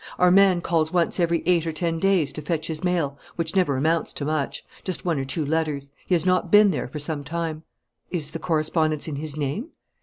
Our man calls once every eight or ten days to fetch his mail, which never amounts to much: just one or two letters. He has not been there for some time." "Is the correspondence in his name?"